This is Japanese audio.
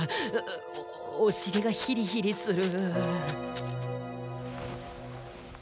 おおしりがヒリヒリする。